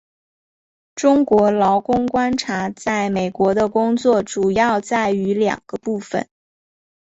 中国劳工观察在美国的工作主要在于两个部份。